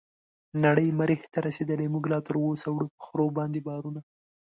نړۍ مريح ته رسيدلې موږ لا تراوسه وړو په خرو باندې بارونه